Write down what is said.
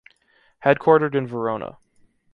Headquartered in Verona.